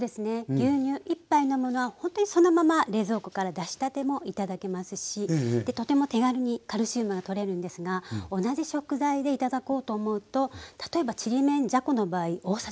牛乳１杯飲むのはほんとにそのまま冷蔵庫から出したても頂けますしとても手軽にカルシウムが取れるんですが同じ食材で頂こうと思うと例えばちりめんじゃこの場合大さじ６杯。